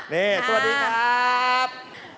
นี่สวัสดีครับ